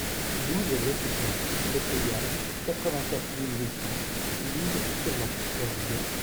douze lotissement les Pléiades, quatre-vingt-quatre mille huit cents L'Isle-sur-la-Sorgue